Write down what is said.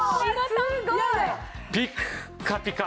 ピッカピカ！